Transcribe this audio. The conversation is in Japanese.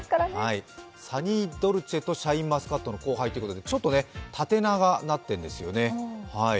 サニードルチェとシャインマスカットの交配ということでちょっと縦長になっているんですよね。